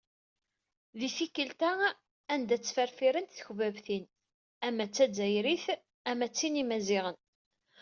Di tikli-a, anda ttrefrifen-t tekbabtin ama d azzayrit ama d tin n yimaziɣen.